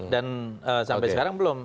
dan sampai sekarang belum